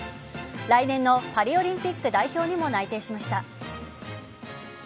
来年のパリオリンピック代表にも内定しました。